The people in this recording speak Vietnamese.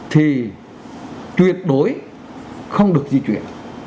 thì tuyệt đối không được di chuyển